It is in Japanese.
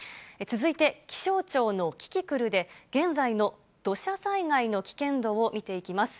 続いて、気象庁のキキクルで、現在の土砂災害の危険度を見ていきます。